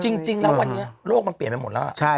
จริงแล้ววันนี้โลกมันเปลี่ยนไปหมดแล้วล่ะ